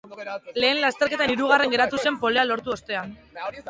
Lehen lasterketan hirugarren geratu zen, polea lortu ostean.